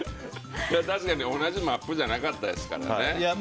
確かに同じマップじゃなかったですからね。